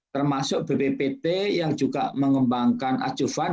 termasuk bppt yang juga mengembangkan acuan